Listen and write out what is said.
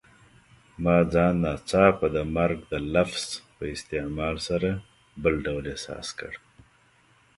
ما ځان ناڅاپه د مرګ د لفظ په استعمال سره بل ډول احساس کړ.